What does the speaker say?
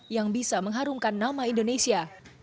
yang bisa mengharumkan nama indonesia